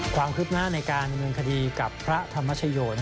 ความคืบหน้าในการดำเนินคดีกับพระธรรมชโย